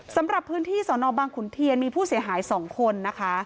สำหรับพื้นที่สนบังขุนเทียนมีผู้เสียหาย๒คนนะคะ